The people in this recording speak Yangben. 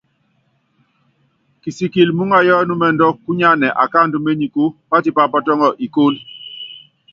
Pisikili muúŋayɔ ɛnúmɛndɔ kúnyánɛ akáandɔ ményiku, pátípa pɔtɔŋɔ ikólo.